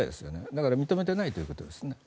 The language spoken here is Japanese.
だから認めていないということです。